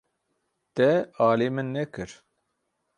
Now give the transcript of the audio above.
Te alî min nekir.